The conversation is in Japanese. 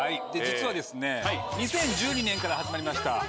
実は２０１２年から始まりました